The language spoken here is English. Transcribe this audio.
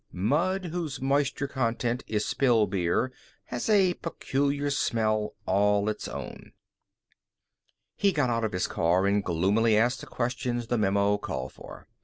Mud whose moisture content is spilled beer has a peculiar smell all its own. He got out of his car and gloomily asked the questions the memo called for.